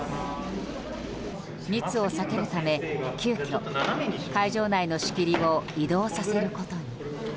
密を避けるため急きょ会場内の仕切りを移動させることに。